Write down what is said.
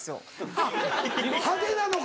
あっ派手なのか。